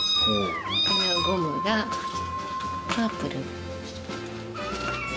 このゴムがパープル。